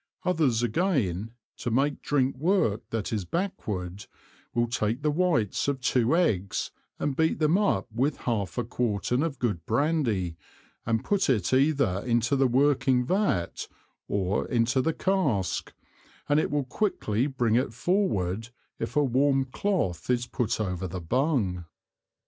Others again, to make Drink work that is backward, will take the whites of two Eggs and beat them up with half a Quartern of good Brandy, and put it either into the working Vat, or into the Cask, and it will quickly bring it forward if a warm Cloth is put over the Bung.